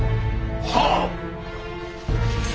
はっ！